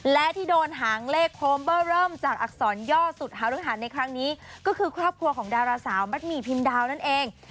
และที่โดนหางเลขโคมเบอร์เริ่มจากอักษรย่อสุดฮารุหารในครั้งนี้ก็คือครอบครัวของดาราสาวมัดหมี่พิมดาวนั่นเอง